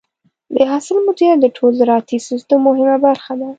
د حاصل مدیریت د ټول زراعتي سیستم مهمه برخه ده.